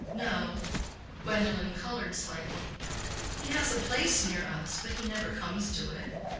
"No." (Gwendolen colored slightly.) "He has a place near us, but he never comes to it.